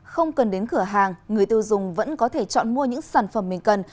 không cần đến cửa hàng người tiêu dùng vẫn có thể chọn mua những sản phẩm mình cần